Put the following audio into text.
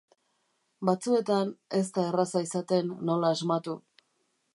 Batzuetan ez da erraza izaten nola asmatu.